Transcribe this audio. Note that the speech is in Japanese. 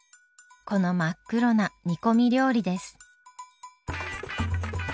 この真っ黒な煮込み料理です。